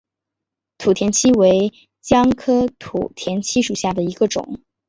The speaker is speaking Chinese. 土田七为姜科土田七属下的一个种。